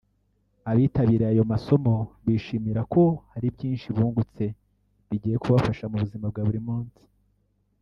Abitabiriye ayo masomo bishimira ko hari byinshi bungutse bigiye kubafasha mu buzima bwa buri munsi